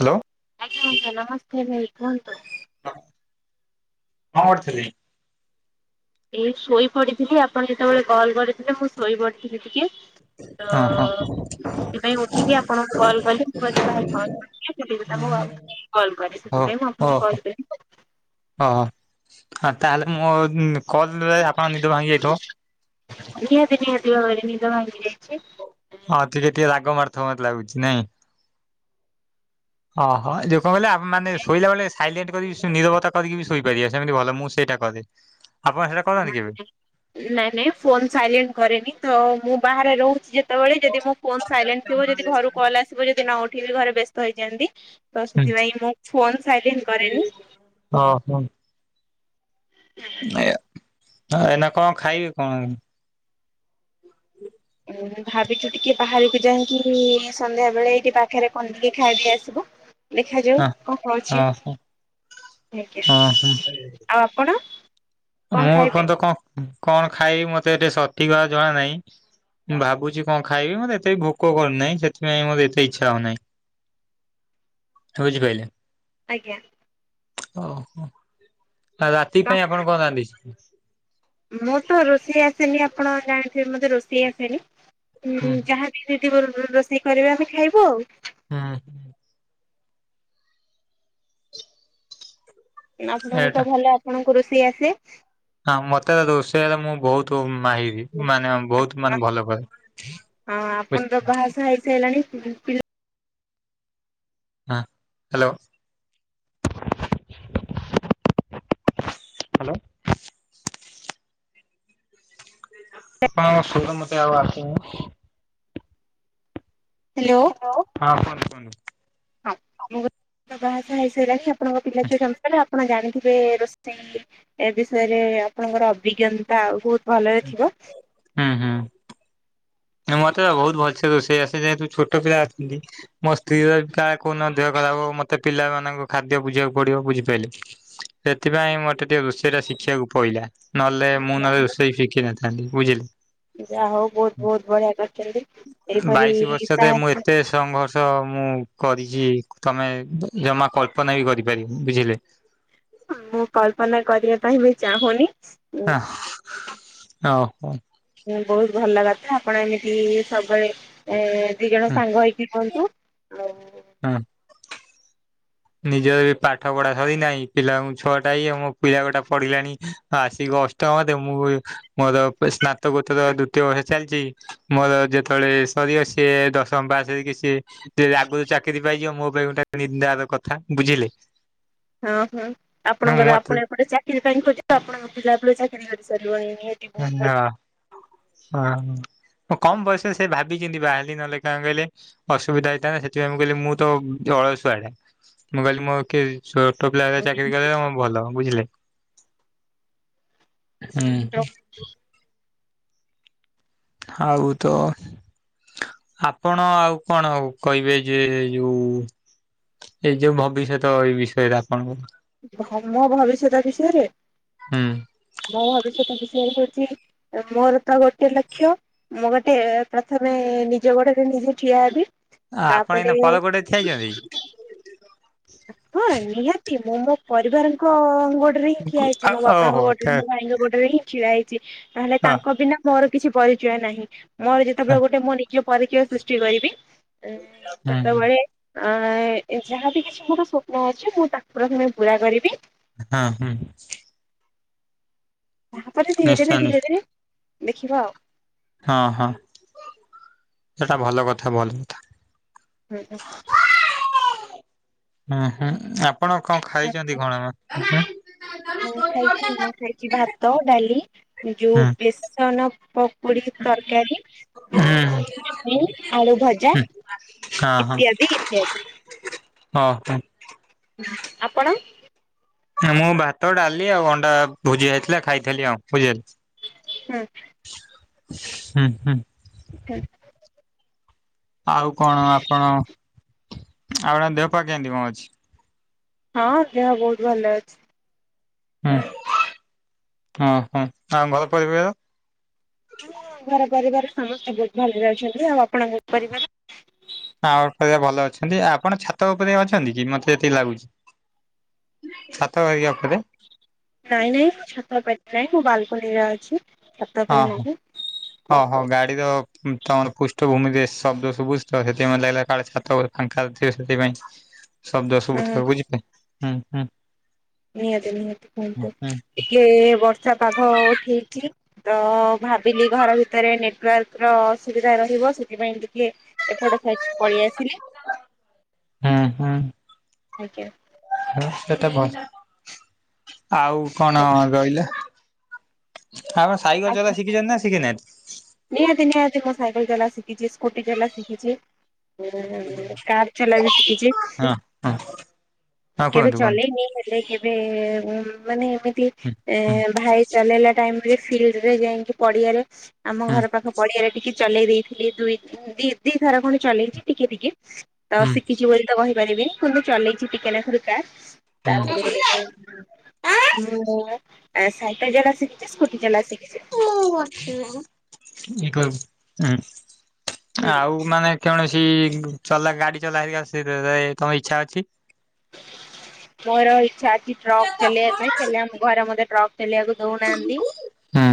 Hello. ଆଜ୍ଞା ମୋଉସା ନମସ୍କାର ଭାଇ କୁହନ୍ତୁ। କଁ କରୁଥୁଲେ? ଏଇ ଶୋଇ ପଡ଼ିଥିଲି ଆପଣ ଯେତୋବେଳେ କଲ୍ କରିଥିଲେ ମୁଁ ଶୋଇ ପଡ଼ିଥିଲି ଟିକେ। ହଁ ହଁ। ଉଟାଇ ଉଠିକି ଆପଣଙ୍କୁ କଲ୍ କଲି ମୁଁ କହିଲି ଭାଇ କଲ୍ କରିଥିଲେ ମୁଁ ଟିକେ ତାଙ୍କୁ ଆଉ କଲ୍ କରେ ସେଥିପାଇଁ ମୁଁ ଆପଣଙ୍କୁ କଲ୍ କଲି। ଓ ହଁ ତାହେଲେ ମୋ କଲ୍ ରେ ଆପଣ ନିଦ ଭାଙ୍ଗି ଯାଇଥିବ? ନିହାତି ନିହାତି ଭାବରେ ନିଦ ଭାଙ୍ଗି ଯାଇଛି। ହଁ ଟିକେ ଟିକେ ରାଗ ମାଡ଼ୁଥବ ମତେ ଲାଗୁଚି ନାଇଁ? ଅହ ଯୋଉ କଁ କହିଲେ ଆ ମାନେ ଶୋଇଲା ବେଳେ ସାଇଲେଣ୍ଟ୍ କରିକି ସେ ନିରବତା କରିକି ବି ଶୋଇ ପାରିବେ ସେମିତି ଭଲ ମୁଁ ସେଇଟା କରେ। ଆପଣ ସେଇଟା କରନ୍ତି କେବେ? ନାଇଁ ନାଇଁ ନାଇଁ ନାଇଁ ଫୋନ୍ ସାଇଲେଣ୍ଟ୍ କରେନି ତ ମୁଁ ବାହାରେ ରହୁଚି ଯେ ତୋଅଳେ ଯଦି ମୋ ଫୋନ୍ ସାଇଲେଣ୍ଟ୍ ଥିବ ଯଦି ଘରୁ କଲ୍ ଆସିବ ଯଦି ନ ଉଠେଇଲି ଘରେ ବ୍ୟସ୍ତ ହେଇଯାଆନ୍ତି। ତ ସେଥିପାଇଁ ମୁଁ ଫୋନୂ ସାଇଲେଣ୍ଟ୍ କରେନି। ଅ ହଁ‌। ଏ ହଁ ଏନା କଁ ଖାଇବେ କଁ? ମାଣ୍ଡି ହବୁ ଏଇନେ ଭାବିଚୁ ଟିକେ ବାହାରୁକୁ ଯାଇଁକି ସନ୍ଧ୍ୟା ବେଳେ ଏଇଠି ପାଖେରେ କଣ ଟିକେ ଖାଇ ଦେଇ ଆସିବୁ। ଦେଖାଯାଉ କଁ ହଉଛି? ଓହୋ ନିଜେ। ଓହୋ ଆଉ ଆପଣ? କଣ ମୁଁ ଖାଇବେ ଏପଅନ୍ତ କଁ କଣ ଖାଇବି ମତେ ଏତେ ସଠିକ୍ ଭାବେ ଜଣା ନାହିଁ। ମୁଁ ଭାବୁଚି କଁ ଖାଇବି ମତେ ଏତେ ବି ଭୋକ କରୁନାହିଁ ସେଥିପାଇଁ ମତେ ଏତେ ଇଚ୍ଛା ହଉନାହିଁ। ହେଉଚି କହିଲେ। ଆଜ୍ଞା। ଓହୋ ଆଉ ରାତି ତ ପାଇଁ ଆପଣ କଣ ରାନ୍ଧିଛନ୍ତି? ମୁଁ ତ ରୋଷେଇ ଆସେନି ଆପଣ ଜାଣିଥିବେ ମତେ ରୋଷେଇ ଆସେନି ଉଁ ହୁଁ ଯାହା ବି ତି ବୋର୍ ରୋଷେଇ କରିବା ଆମେ ଖାଇବୁ ଆଉ। ହୁଁ ହୁଁ। ନା ଆପଣଙ୍କୁ ଏଇଟା ତ ଭଲ ଆପଣଙ୍କୁ ରୋଷେଇ ଆସେ। ହଁ ମତେ ରୋଷେଇଆରେ ମୁଁ ବୋହୁତ ମାହିରି। ହଁ ମାନେ ବୋହୁତ ମାନେ ଭଲ କରେ ଉଏ ସେ ଲାଣି ପି ପିଲା ହଁ ହାଲୋ। ହାଲୋ। ଆପଣଙ୍କ ସ୍ୱର ମତେ ଆଉ ଆସୁନି। ହେଲୋ। ହଁ କୁହନ୍ତୁ କୁହନ୍ତୁ। ହଁ ମୁଁ ଗୋ ତ ବାହା ସାହା ହେଇ ସାଇଲାଣି ଆପଣଙ୍କ ପିଲା ଛୁଆ ଜନ୍ମ କଲେ ଆପଣ ଜାଣିିଥଗ ବେ ରୋଷେଇ ଏ ବିଷୟରେ ଆପଣଙ୍କର ଅଭିଜ୍ଞତା ଆଉ ବୋହୁତ ଭଲରେ ଥିବ। ନା ମତେ ବୋହୁତ ଭଲସେ ରୋଷେଇ ଆସେ ଯେହେତୁ ଛୋଟ ପିଲା ଅଛନ୍ତି ମୋ ସ୍ତ୍ରୀର କାଳେ କୋଉ ନ ଦେହ ଖରାପ ହବ ମତେ ପିଲାମାନଙ୍କ ଖାଦ୍ୟ ବୁଝିବାକୁ ପଡ଼ିବ, ବୁଝିପାଇଲେ? ସେଥିପାଇଁ ମତେ ଟିଏ ରୋଷେଇଟା ଶିଖିବାକୁ ପଇଲା। ନହେଲେ ମୁଁ ନହେଲେ ରୋଷେଇ ଶିଖି ନଥାନ୍ତି ବୁଝିଲେ। ଯା ହଉ ବହୁତ ବହୁତ ବଢିଆ କରିଚନ୍ତି। ବାଇଶି ବର୍ଷରେ ମୁଁ ଏତେ ତଂଘର୍ଷ ମୁଁ କରିଚି ତମେ ଜମା କଳ୍ପନା ବି କରିପାରିବ ବୁଝିଲେ। ମୁଁ କଳ୍ପନା କରିବା ପାଇଁ ବି ଚାହୁଁନି। ଆହଁ ହଁ। ହଁ ବହୁତ ଭଲ କଥା ଆପଣ ଏମିତି ସବୁବେଳେ ଦି ଏ ଜଣ ସାଙ୍ଗ ହେଇକି ରୁହନ୍ତୁ। ଆଉ ଆଁ ନିଜ ବି ପାଠ ପଢା ସରି ନାହିଁ ପିଲାଙ୍କୁ ଛଅଟାଇ ଏବଂ ପିଲା ଗୋଡାକ ପଢିଲାଣି ଆସିକି ଅଷ୍ଟମରେ ମୁଁ ମୋର ସ୍ନାତକୋତ୍ତର ଦ୍ଵିତୀୟ ହୋଇସାରିଚି। ମୋର ଯେତେବେଳେ ସରିବ ସିଏ ଦଶମ ପାସ ହେଇକି ସି ସେ ରାଗୁରୁ ଚାକିରି ପାଇଯିବ ମୋ ପାଇଁ ଗୋଟ ନିନ୍ଦାର କଥା ବୁଝିଲେ। ହଁ ହଁ ଆପଣଙ୍କର ମତେ ଆପଣ ଏପଟେ ଚାକିରି ପାଇଁ ଖୋଜିବେ ଆପଣଙ୍କ ପିଲା ହେପଟେ ଚାକିରି କରିସାରିବଣି। ଆ ବହୁତ ହଁ ହଁ। ମୁଁ କମ୍ ବୟସରେ ସେ ଭାବିଚିନ୍ତି ବାହା ହେଲି ନହେଲେ କଣ କହିଲେ ଅସୁବିଧା ହେଇଥାନ୍ତା ସେଥିପାଇଁ ମୁଁ କହିଲି ମୁଁ ତ ଅଳସୁଆଟା ମୁଁ କହିଲି ମୋ କିଏ ଛୋଟ ପିଲା ବଢିଆ। ଚାକିରୀ କରିବ ମୋ ଭଲ ବୁଝିଲେ। ହୁଁ। [inaudible] ହାଉ ତ ଆପଣ ଆଉ କଣ କହିବେ ଯେ ଯୋଉ ଏଇ ଯୋଉ ଭବିଷ୍ୟତ ଏଇ ବିଷୟରେ ଆପଣଙ୍କର ଭ ମୋ ଭବିଷ୍ୟତା ବିଷୟରେ ହୁଁ। ମୋ ଭବିଷ୍ୟତ ବିଷୟରେ କହୁଛି ମୋର ତ ଗୋଟେ ଲକ୍ଷ୍ୟ ମୁଁ ଗୋଟେ ପ୍ରଥମେ ନିଜ ଗୋଡରେ ନିଜେ ଠିଆ ହେବି। ଆ ଆପଣ ତାପରେ ଏନା ପର ଗୋଡ଼ରେ ଠିଆହୋଇଛନ୍ତି? ହଁ ନିହାତି ମୁଁ ମୋ ପରିବାରଙ୍କ ଗୋଡ ରେ ହିଁ ଠିଆ ହେଇଚି ମୋ ବାପାଙ୍କ ଓହୋ ଗୋଡରେ ଆଚ୍ଛା ମୋ ଭାଇଙ୍କ ଗୋଡରେ ହିଁ ଛିଡା ହେଇଛି ନହେଲେ ହଁ ତାଙ୍କ ବିନା ମୋର କିଛି ପରିଚୟ ନାହିଁ ମୋର ହଁ। ଯେତେବେଳେ ଗୋଟେ ମୋ ନିଜ ପରିଚୟ ସୃଷ୍ଟି କରିବି ହୁଁ ସେତେବେଳେ ଆଁ ଏଯାହା ବି କିଛି ମୋର ସୋପ୍ନ ଅଛି ମୁଁ ତାକୁ ପ୍ରଥମେ ପୁରା କରିବି। ହଁ ହୁଁ। ତାହାପରେ ଧୀରେ ଧୀରେ ନିଶ୍ଚୟ ଧୀରେ ନିଶ୍ଚୟ ଧୀରେ ଦେଖିବା ଆଉ। ହଁ ହଁ ସେଟା ଭଲ କଥା ଭଲ ଉଁ ହୁଁ। ହୁଁ ହୁଁ ଆପଣ କଣ ଆଉ ଖାଇଚନ୍ତି କଣ? ମୁଁ ଖାଇଚି ମୁଁ ଖାଇଚି ଭାତ ଡାଲି ଯୋଉ ବେସନ ପୁଡି ତରକାରୀ [unintelligible] ଆଳୁ ଭଜା। ହଁ। ଇତ୍ୟାଦି ଇତ୍ୟାଦି। ହଁ। ଆପଣ ମୁଁ ଭାତ ଡାଲି ଆଉ ଅଣ୍ଡା ଭୋଜିଆ ହେଇଥିଲା ଖାଇଥିଲି ଆଉ ବୁଝିିଲେ। ହୁଁ। ହୁଁ। ହଁ। ଆଉ କଣ ଆପଣ ଆଉଣ ଦେହ ପା କେମତି କଣ ଅଛି? ହଁ ଦେହ ବହୁତ ଭଲ ଅ ହୁଁ ହୁଁ ହୁଁ ଆଉ ଘର ପଇବାଏ ହଁ ଘର ପରିବାର ସମସ୍ତେ ବହୁତ ଭଲରେ ଅଛନ୍ତି ଆଉ ଆପଣଙ୍କ ପରିବାର? ଆ ପରିବାର ଭଲ ଅଛନ୍ତି ଆପଣ ଛାତ ଉପରେ ଅଛନ୍ତି କି ମତେ ଜେତିକି ଲାଗୁଛି। ଛାତ ବାଗିଆ ଉପରେ। ନାଇଁ ନାଇଁ ମୁଁ ଛାତଉପରେ ଥାଏ ମୁଁ ବାଲକୋନୀରେ ଅଛି। ଛାତ ଉପରେ ନାହିଁ। ଏଇତ ତମର ପୃଷ୍ଠଭୂମିରେ ଶବ୍ଦ ସୁୁବୁଚିତ ହେଥିପାଇଁ ଲାଗିଲା କାଳେ ଛାତ ଫାଙ୍କାରେ ଥିବେ ସେଥିପାଇଁ, [inaudible] ଶବ୍ଦ ଶୁଭୁଥିବ ବୁଝିଲେ ହୁଁ ହୁଁ। ନିହାତି ନିହାତି କୁହନ୍ତୁ ହୁଁ ଟିକେ ବର୍ଷା ପାଘ ଉଠେଇଚି। ତ ଭାବିଲି ଘର ଭିତରେ ନେଟୱାର୍କ ର ଅସୁବିଧା ରହିବ ସେଥିପାଇଁ ଟିକେ ଏପଟ ସାଇଟକି ପଳେଇ ଆସିଲି ଆଜ୍ଞା। ହ ସେଟା ଭଲ ଆଉ କଣ ରହିଲା। ଆପଣ ସାଇକେଲ ଆଜ୍ଞା ଚଲା ଶିଖିଛନ୍ତି ନା ଶିଖିନାହାଁନ୍ତି? ନିହାତି ନିହାତି ମୁଁ ସାଇକେଲ ଚଲା ଶିଖିଛି ସ୍କୁଟି ଚଲା ଶିଖିଛି। କାର ଚଲା ବି ଶିଖିଛି। ହଁ ହଁ ହଁ କେବେ କୁହନ୍ତୁ କୁହନ୍ତୁ ଚଲେଇନି। କେବେ ଏ ମାନେ ଏମିତି ହୁଁ ହୁଁ ଭାଇ ଚଲେଇଲା ଟାଇମରେ ଫିଲ୍ଡ ରେ ଯାଇକି ପଡିଆରେ ଆମ ହୁଁ ଘର ପାଖ ପଡିଆରେ ଟିକ ଚଲେଇ ଦେଇଥିଲି ଦୁଇ ଦି ଥର ଖଣ୍ଡେ ଚଲେଇଛି ଟିକେ ଟିକେ ତ ଶିଖିଛି ବୋଲି ତ କହିପାରିବିନି କିନ୍ତୁ ଚଲେଇଛି ଟିକେ ନାକୁରୁ କାର। ହୁଁ ତାପରେ ହୁଁ। ହୁଁ ଏ ମୁଁ ସାଇକେଲ ଚଢ଼ା ସିକି ସ୍କୁଟିି ଚଲା ସିକିଚି। ଇ କହିବଁ ହୁଁ ଆଉ [inaudible] ମାନେ କୌଣସି ଚଲା ଗାଡି ଚଲା ହେରିକା ସେରେ ତମ ଇଚ୍ଛା ଅଛି। ମୋର ଇଚ୍ଛା ଅଛି ଟ୍ରକ୍ ଚଲେଇବା ପାଇଁ ହେଲେ ଆମ ଘରେ ମୋତେ ଟ୍ରକ୍ ଚଲେଇବାକୁ ଦଉନାହାଁନ୍ତି। ହୁଁ।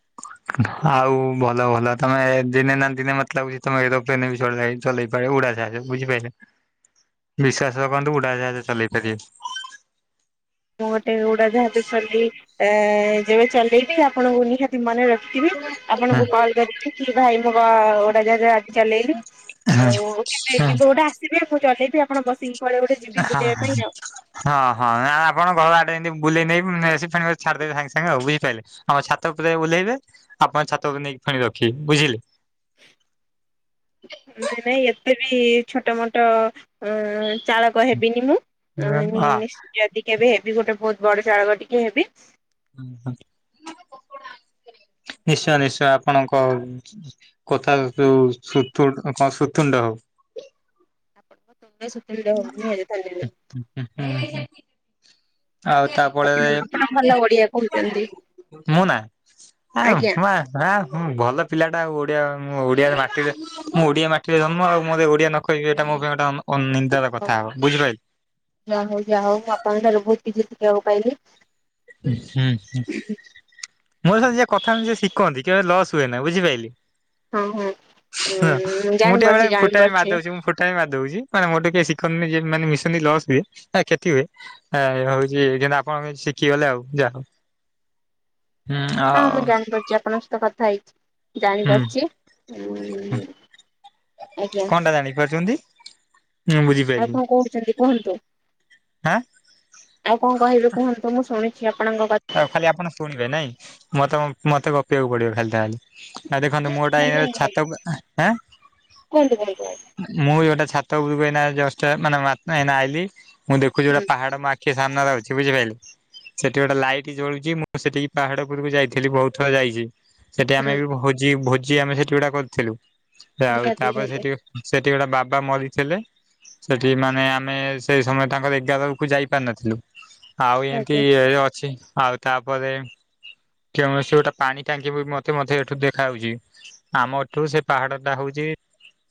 [inaudible] ଆଉ ଭଲ ଭଲ ତମେ ଦିନେ ନା ଦିନେ ମତେ ଲାଗୁଚି ତମେ ଏରୋପ୍ଲେନ ବି ଚଲେଇ ଚଲେଇ ପାରିବ ଉଡାଜାହାଜ ବି ବୁଝିପାଇଲେ? ବିଶ୍ଵାସ ରଖନ୍ତୁ ଉଡାଯାହାଜ ଚଲେଇ ପାରିବେ। ମୁଁ ଗୋଟେ ଉଡାଯାହାଜ ଚଲେଇ ଏ ଯେବେ ଚଲେଇବି ଆପଣଙ୍କୁ ନିହାତି ମନେରଖିବି ହଁ। ଆପଣଙ୍କୁ କଲ କରିକି କି ଭାଇ ମୋ ଗୋଟେ ଉଡ଼ାଜାହାଜ ଚଲେଇଲି ଆଉ କେବେ କେବେ ଗୋଟେ ଆସିବେ ମୁଁ ଚଲେଇବି ଆପଣ ବସିକି କୁଆଡେଗୋଟେ ଯିବି ବୁଲିବା ପାଇଁକା ଆଉ ହଁ ହଁ ଆପଣ ଘର ଆଡେ ଏମିତି ବୁଲେଇ ନେଇ ନେଇଆସି ଫେଣେ ଛାଡିଦେବି ସାଙ୍ଗେ ସାଙ୍ଗେ ଆଉ ବୁଝିପାଇଲେ। ଆମ ଛାତ ଉପରେ ବୁଲେଇବେ ଆପଣ ଛାତ ଉପରେ ନେଇକି ପୁଣି ରଖିବେ ବୁଝିଲେ ନାଇଁ ନାଇଁ ଏତେବି ଛୋଟମୋଟ ଅ ଚାଳ କ ହେବିନି ମୁଁ ହଁ ଉଁ ଯଦି କେବେ ହେବି ଗୋଟେ ବହୁତ ବଡ ଚାଳକ ଟିକେ ହେବି ନିଶ୍ଚୟ ନିଶ୍ଚୟ ଆପଣଙ୍କ କଥା ଯୋଉ ସୁତୁ କଣ ସୁତୁଣ୍ଡ ହଉ ଆପଣଂକ ତୁଣ୍ଡ ସତୁଣ୍ଡ ହଉ [inaudible] [inaudible] ଆଉ ତାପଳେ ଆପଣ ଆପଣ ଭଲ ଓଡିଆ କହୁଛନ୍ତି ମୁଁ ନା ଆ ଆଜ୍ଞା। ମା ଆ ହୁଁ ଭଲ ପିଲାଟା ଆଉ ଓଡିଆ ମୁଁ ଓଡିଆ ମାଟିରେ ମୁଁ ଓଡିଆ ମାଟିରେ ଜନ୍ମ ଆଉ ମତେ ଓଡିଆ ନଖ ଏଇଟା ମୋ ପାଇଁ ଗୋଟେ ଅନ ନିିନ୍ଦାର କଥାହବ ବୁଝିପାଇଲେ ଯାହା ହଉ ଯାହା ହଉ ମୁ ଆପଙ୍କ ଠାରୁ ବହୁତ କିଛି ସିଖିବାକୁ ପାଇଲି ହୁଁ ହୁଁ ମୋ ସହିତ ଯିଏ କଥାହୁଅନ୍ତି ସିଏ ଶିକନ୍ତି କେବେ ଲସ ହୁଏନାହିଁ ବୁଝିପାଇଲେ ହଁ ହଁ। ଉଁ ମୁଁ ଟିକେବେଳେ ଜାଣିପାରୁଛି ଫୁଟାଣି ଜାଣିପାରୁଛି ମାରିଦଉଛି ମୁଁ ଫୁଟ ଫୁଟାଣି ମାରିଦଉଛି ମାନେ ମୋଠୁ କିଏ ସିକନ୍ତିନି ଯିଏମାନେ ମିସନ୍ତି ଲସ ହୁଏ ବା କ୍ଷତିହୁଏ। ଆ ହଉଛି କିନ୍ତୁ ଆପଣ ମୀଶିଖିଗଲେ ଆଉ ଯାହା ହୁଁ ହଁ ଆଉ ମୁଁ ଜାଣିପାରୁଛି ଆପଣଙ୍କ ସହିତ କଥା ହେଇଛି ହୁଁ ଜାଣିପାରୁଛି। ଉ କଣଟା ଜାଣିପାରୁଛନ୍ତି? ମୁଁ ଆଉ ବୁଝିପାରିଲିନି। କଣ କହୁଛନ୍ତି କୁହନ୍ତୁ ହାଁ, ଆଉ କଣ କହିବେ କୁହନ୍ତୁ ମୁଁ ଶୁଣିଛି ଆପଣଙ୍କ କଥ ଆଉ ଖାଲି ଆପଣ ଶୁଣିବେ ନାଇଁ ମତେ ମତେ ଗପିବାକୁ ପଡିବ ଖାଲି ତାହାଲେ ଆଉ ଦେଖନ୍ତୁ ମୁଁହଟା ଏହିଭଳିଆ ଛାତକୁ ଆ କୁହନ୍ତୁ କୁହନ୍ତୁ ମୁଁ ବିଗୋଟେ ଛାତଉପରକୁ ଏଇନାଜଷ୍ଟ ମାନେ ଏଇନାଆଇିଲି ମୁଁ ଦେଖୁଛି ଗୋଟେ ହୁଁ ପାହାଡ ମୋ ଆଖି ସିଏ ସାମ୍ନାରେ ଅଛି ବୁଝିପାଇଲେ ସେଠି ଗୋଟେ ଲାଇଟ ଜଳୁଛି ମୁଁ ସେଠିକି ପାହାଡ ଉପରକୁ ଯାଇଥିଲି ବହୁତ ଥର ଯାଇଛି। ସେଠି ହୁଁ ଆମେବି ଭୋଜି ଭୋଜି ଆମେ ସେଠିଗୁଡା କରିଥିଲୁ ଆଉ ନିହାତି ତାପରେ ନିହାତି ସେଠି ସେଠି ଗୋଟେ ବାବା ମରିଥିଲେ ସେଠି ମାନେ ଆମେ ସେଇସମୟ ତାଙ୍କର ଏଗାରକୁ ଯାଇପାରିନଥିଲୁ ଆଉ ଏମିତି ଆଜ୍ଞା। ଇରେ ଅଛି ଆଉ ତାପରେ କୌଣସି ଗୋଟେ ପାଣିଟାଙ୍କି ବିମତେ ମତେଏଠୁ ଦେଖାାଯାଉଛି। ଆମ ଏଠୁ ସେ ପାହାଡଟା ହଉଛି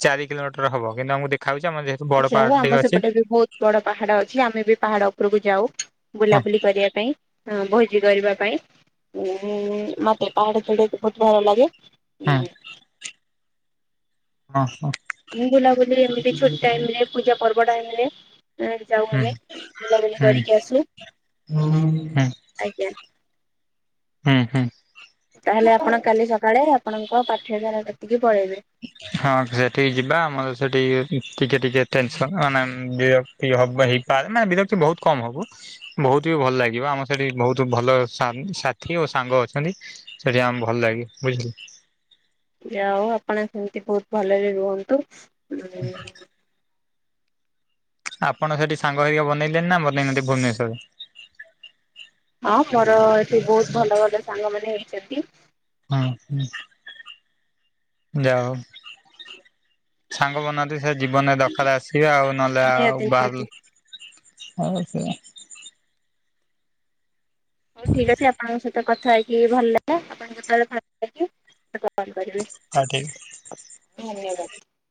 ଚାରିକିଲୋମଟର ହବ କିନ୍ତୁ ଆମକୁ ଦେଖାଉଛି ଆମର ଯେହେତୁ ବଡ ଯାଉ ପାହାଡ ଆମ ଟିକେ ଅଛି ସେପଟେବି ବହୁତ ବଡ ପାହାଡ ଅଛି। ଆମେବି ପାହାଡ ଉପରକୁ ଯାଉ। ହଁ ବୁଲାବୁଲି କରିବାପାଇଁ ହଁ ଭୋଜି କରିବା ପାଇଁ ଉଁ ଉଁ ମତେ ପାହାଡ ଚଢିବାକୁ ବହୁତ ଭଲ ଲାଗେ। ହଁ-ହଁ-ହଁ, ମୁଁ ବୁଲାବୁଲି ଏମିତି ଛୁଟି ଟାଇମରେ ପୂଜା ପର୍ବଟା ହେଲେ। ଏ ଯାଉ ହୁଁ ଆମେ ବୁଲାବୁଲି ହୁଁ କରିକି ଆସୁ ଆଜ୍ଞା ହୁଁ-ହୁଁ, ତାହେଲେ ଆପଣ କାଲି ସକାଳେ ଆପଣଙ୍କ ପାଠେ ଗାରା କତିକି ପଳେଇବେ ହଁ ସେଠିକି ଯିବା ଆମର ସେଠିକି ଟିକେ ଟିକେ ଟେନସନ ମାନେ ଇଏ ଇଏ ହବ ହେଇପାରେ ମାନେ ବିରକ୍ତି ବହୁତକମ ବହୁତ ବହୁତୁବି ଭଲ ଲାଗିବ ଆମ ସେଠି ବହୁତ ଭଲ ସା ସାଥିୀ ଓ ସାଙ୍ଗ ଅଛନ୍ତି। ସେଠି ଆମେ ଭଲ ଲାଗେ ବୁଝିଲେ ଯା ଆଉ ଆପଣ ସେମିତି ବହୁତ ଭଲରେ ରୁହନ୍ତୁ। ଉ ଆପଣ ସେଠି ସାଙ୍ଗ ହେଇିକି ବନେଇଲେଣି ନା ବନେଇନାନ୍ତି ଭୁବନେଶରରେ ହଁ ମୋର ଏଠି ବହୁତ ଭଲ ଭଲ ସାଙ୍ଗ ମାନ ହେଇଛନ୍ତି। ହଁ ହଁ ଯା ହୋଉ ସାଙ୍ଗ ବନାନ୍ତି ସେ ଜୀବନରେ ଦଖାରେ ଆସିବେ ଆଉ ନହେଲେ ନିହାତି ଆଉ ନିହାତି ବାହାର ହଉ ହଉ ସେ ହଉ ଠିକ୍ ଅଛି ଆପଣଙ୍କ ସହିତ କଥା ହେଇକି ଭଲ ଲାଗିଲା ଆପଣ ଯେତେବେଳେ ଭଲ ଲାଗି କଲ କରିବେ ହଁ ଠିକ୍ ଧନ୍ୟବାଦ